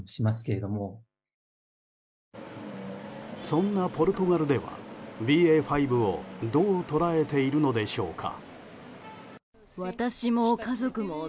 そんなポルトガルではＢＡ．５をどう捉えているのでしょうか。